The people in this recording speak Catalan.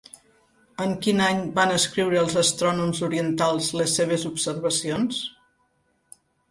En quin any van escriure els astrònoms orientals les seves observacions?